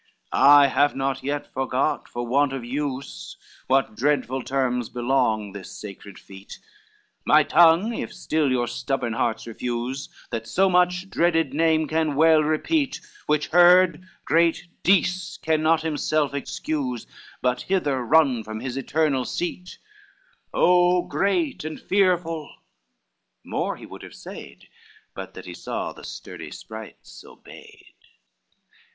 X "I have not yet forgot for want of use, What dreadful terms belong this sacred feat, My tongue, if still your stubborn hearts refuse, That so much dreaded name can well repeat, Which heard, great Dis cannot himself excuse, But hither run from his eternal seat, O great and fearful!"—More he would have said, But that he saw the sturdy sprites obeyed.